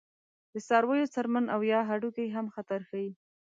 د څارویو څرمن او یا هډوکي هم خطر ښيي.